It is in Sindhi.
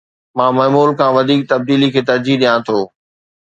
مان معمول کان وڌيڪ تبديلي کي ترجيح ڏيان ٿو